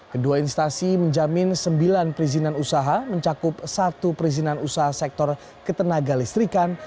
kedua instasi menjamin sembilan perizinan usaha mencakup satu perizinan usaha sektor ketenaga listrikan